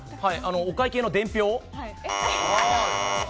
お会計の伝票。